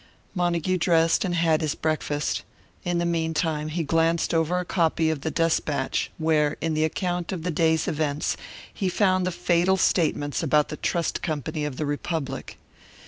Montague dressed and had his breakfast; in the meantime he glanced over a copy of the Despatch, where, in the account of the day's events, he found the fatal statements about the Trust Company of the Republic.